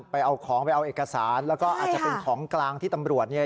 ไปเอาของไปเอาเอกสารแล้วก็อาจจะเป็นของกลางที่ตำรวจเนี่ย